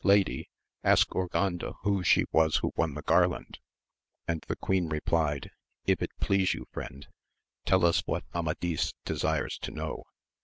Lady, ask Urganda who she was who won the garland, and the queen replied. If it please you friend, tell us what Amadis desires to know